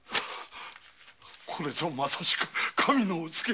これぞまさしく神のお告げ。